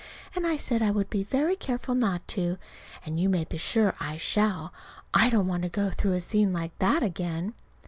And I said I would be very careful not to. And you may be sure I shall. I don't want to go through a scene like that again!